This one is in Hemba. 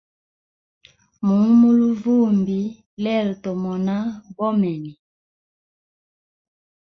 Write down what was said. Mu luvumbi lelo lino tomona bomene.